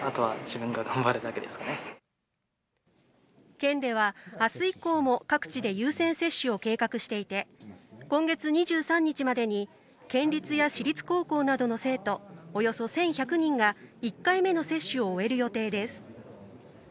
県では明日以降も各地で優先接種を計画していて今月２３日までに県立や私立高校などの生徒およそ１１００人が１回目の接種を終える予定です。